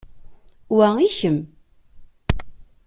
Wa i kemm.